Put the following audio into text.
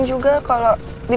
makasih ya sayang